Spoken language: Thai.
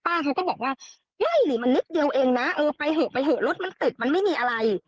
เขาก็บอกว่าไม่นี่มันนิดเดียวเองนะเออไปเถอะไปเถอะรถมันติดมันไม่มีอะไร